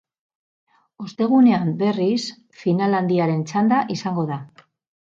Ostegunean, berriz, final handiaren txanda izango da.